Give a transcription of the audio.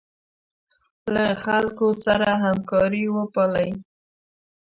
له خلکو سره همکاري وپالئ.